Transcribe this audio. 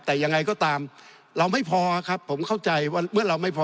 แต่ยังไงก็ตามเราไม่พอครับผมเข้าใจว่าเมื่อเราไม่พอ